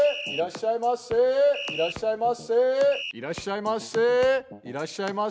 いらっしゃいませ！